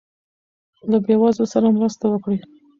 له بې وزلو سره مرسته وکړئ.